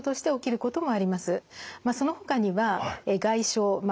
まあそのほかには外傷まあ